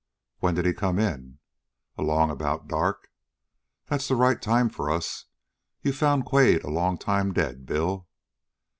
"When did he come in?" "Along about dark." "That's the right time for us. You found Quade a long time dead, Bill."